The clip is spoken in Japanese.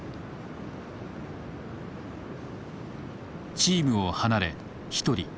チームを離れ一人。